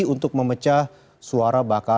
untuk memecah suara